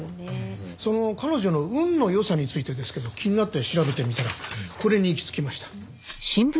その彼女の運の良さについてですけど気になって調べてみたらこれに行き着きました。